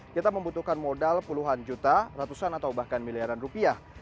kita membutuhkan modal puluhan juta ratusan atau bahkan miliaran rupiah